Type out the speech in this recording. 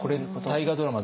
大河ドラマ